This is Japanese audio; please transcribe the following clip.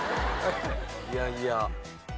いやいや。